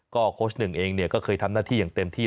โค้ชหนึ่งเองเนี่ยก็เคยทำหน้าที่อย่างเต็มที่